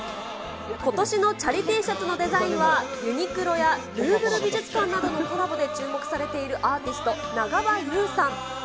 ことしのチャリＴシャツのデザインは、ユニクロやルーブル美術館などのコラボで注目されているアーティスト、長場雄さん。